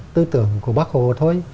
tư tưởng của bác hồ thôi